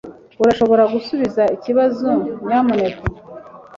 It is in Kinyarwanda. Urashobora gusubiza ikibazo, nyamuneka?